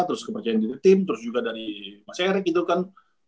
terus kepercayaan diri tim terus juga dari mas erick gitu kan